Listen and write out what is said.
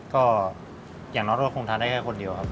ก็อย่างน้อยก็คงทานได้แค่คนเดียวครับ